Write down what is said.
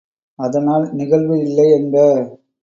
அதனால் நிகழ்வு இல்லை என்ப.